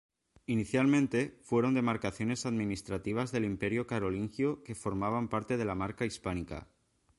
Inicialmente, fueron demarcaciones administrativas del Imperio carolingio que formaban parte de la Marca Hispánica.